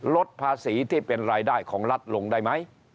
ลดภาษีที่เป็นรายได้ของรัฐลงได้ไหม